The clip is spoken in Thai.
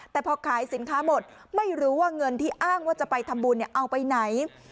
แต่พอขายสินค้าหมดไม่รู้ว่าเงินที่อ้างว่าจะไปทำบุญเอาไปไหน